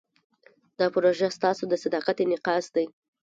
دا پروژه ستاسو د صداقت انعکاس دی.